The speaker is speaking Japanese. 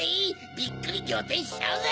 ビックリぎょうてんしちゃうぜ！